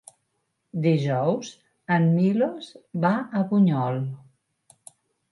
Dijous en Milos va a Bunyol.